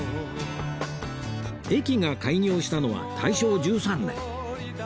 駅が開業したのは大正１３年